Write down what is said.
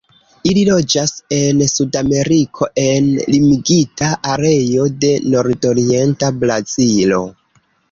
Ili loĝas en Sudameriko en limigita areo de nordorienta Brazilo.